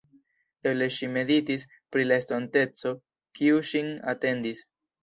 Eble ŝi meditis pri la estonteco, kiu ŝin atendis.